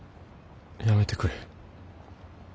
やめてくれ。